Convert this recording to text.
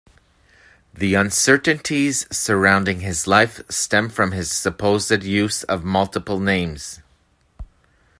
The uncertainties surrounding his life stem from his supposed use of multiple names.